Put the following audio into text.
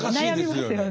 悩みますよね。